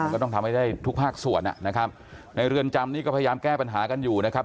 ก็ต้องทำให้ได้ทุกภาคส่วนนะครับในเรือนจำนี่ก็พยายามแก้ปัญหากันอยู่นะครับ